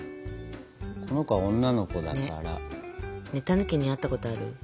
この子は女の子だから。ねえたぬきに会ったことある？